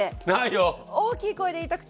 大きい声で言いたくて。